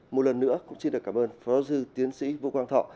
một lần nữa cũng xin được cảm ơn phó giáo sư tiến sĩ vô quang thọ